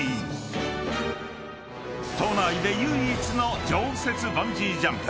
［都内で唯一の常設バンジージャンプ］